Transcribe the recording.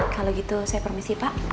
kalau gitu saya permisi pak